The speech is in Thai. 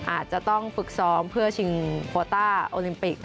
อาจจะต้องฝึกซ้อมเพื่อชิงโคต้าโอลิมปิก